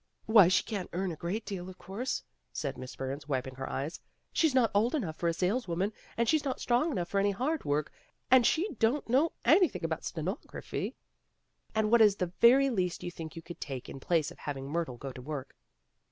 "Why she can't earn a great deal of course," said Miss Burns, wiping her eyes. "She's not old enough for a sales woman, and she's not strong enough for any hard work, and she don't know anything about stenography." "And what is the very least you think you could take in place of having Myrtle go to work?"